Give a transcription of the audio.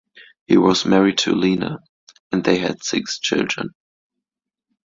He was married to Lena, and they had six children.